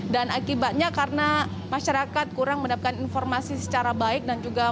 dan akibatnya karena masyarakat kurang mendapatkan informasi secara baik